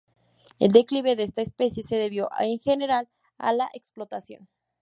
El declive de esta especie se debió en general a la explotación.